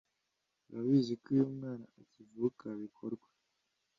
Urabizi ko iyo umwana akivuka bikorwa